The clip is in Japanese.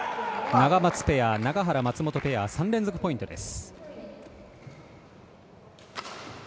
永松ペア永原、松本ペアは３連続ポイントです。